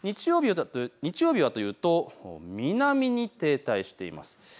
日曜日はというと南に停滞しています。